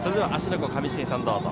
湖、上重さん、どうぞ。